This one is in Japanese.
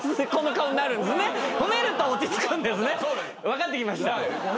分かってきました。